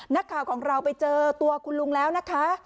นักข่าวของเราไปเจอตัวคุณลุงแล้วนะคะ